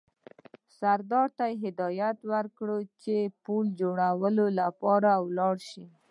سردار ته هدایت وکړ چې د پل جوړولو لپاره ولاړ شي.